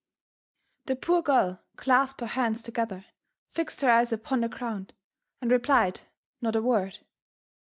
The poor girl clasped her hands together, fixed her eyes upon the ground, and replied not a word.